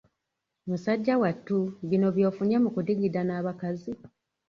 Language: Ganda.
Musajja wattu, bino by'ofunye mu kudigida n'abakazi!